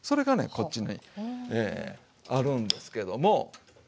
こっちにあるんですけども。